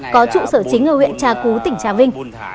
có trụ sở chính ở huyện trà cú tỉnh trà vinh